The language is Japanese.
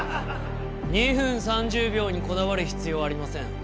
２分３０秒にこだわる必要はありません。